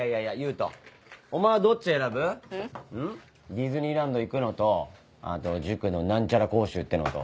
ディズニーランド行くのとあと塾の何ちゃら講習ってのと。